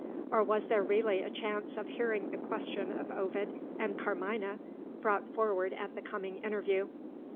or was there really a chance of hearing the question of Ovid and Carmina brought forward at the coming interview?